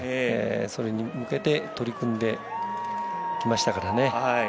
それに向けて取り組んできましたからね。